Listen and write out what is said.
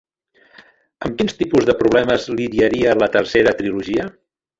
Amb quins tipus de problemes lidiaria la tercera trilogia?